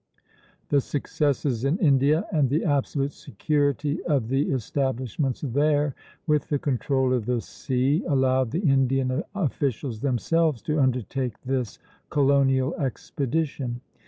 The successes in India and the absolute security of the establishments there, with the control of the sea, allowed the Indian officials themselves to undertake this colonial expedition.